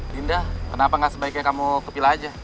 linda kenapa gak sebaiknya kamu kepil aja